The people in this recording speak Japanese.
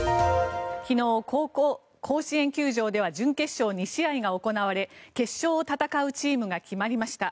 昨日、甲子園球場では準決勝２試合が行われ決勝を戦うチームが決まりました。